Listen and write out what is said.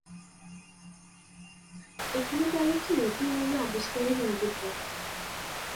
এখানে তারা একটি নতুন মৌল আবিষ্কারের ইঙ্গিত দেন।